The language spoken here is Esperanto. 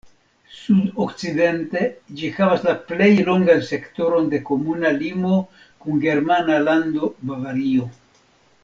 Sudokcidente ĝi havas la plej longan sektoron de komuna limo kun germana lando Bavario.